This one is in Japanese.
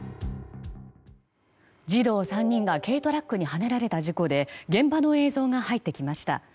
児童３人が軽トラックにはねられた事故で現場の映像が入ってきました。